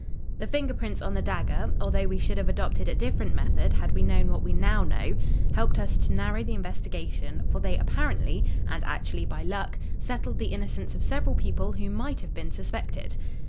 "The finger prints on the dagger, although we should have adopted a different method had we known what we know now, helped us to narrow the investigation, for they apparently and actually by luck settled the innocence of several people who might have been suspected.